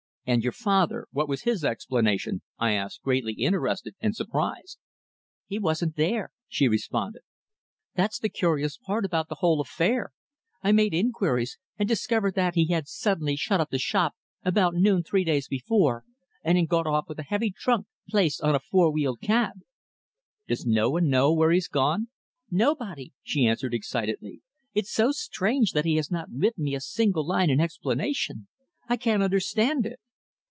"And your father? What was his explanation?" I asked, greatly interested and surprised. "He wasn't there," she responded. "That's the curious part about the whole affair. I made inquiries, and discovered that he had suddenly shut up the shop about noon three days before, and had gone off with a heavy trunk placed on a four wheeled cab." "Does no one know where he's gone?" "Nobody," she answered excitedly. "It's so strange that he has not written me a single line in explanation. I can't understand it."